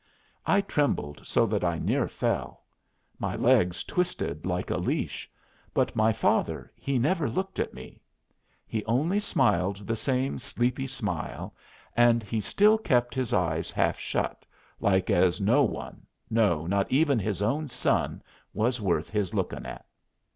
I trembled so that I near fell. My legs twisted like a leash. But my father he never looked at me. He only smiled the same sleepy smile, and he still kept his eyes half shut, like as no one, no, not even his own son, was worth his lookin' at.